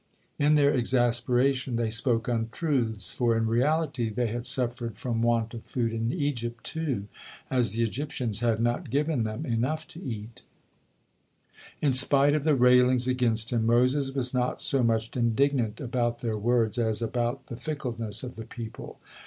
'" In their exasperation they spoke untruths, for in reality they had suffered from want of food in Egypt, too, as the Egyptians had not given them enough to eat. In spite of the railings against him, Moses was not so much indignant about their words as about the fickleness of the people.